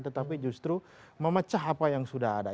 tetapi justru memecah apa yang sudah ada